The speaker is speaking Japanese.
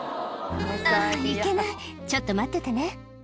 「あっいけないちょっと待っててね」